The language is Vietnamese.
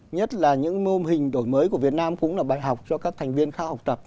nhất là những mô hình đổi mới của việt nam cũng là bài học cho các thành viên khá học tập